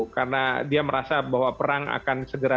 karena dia merasa bahwa perang akan segera